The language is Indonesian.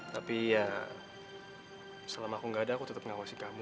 tapi ya selama aku gak ada aku tetap ngawasi kamu